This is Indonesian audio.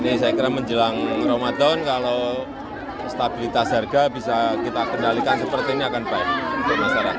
ini saya kira menjelang ramadan kalau stabilitas harga bisa kita kendalikan seperti ini akan baik untuk masyarakat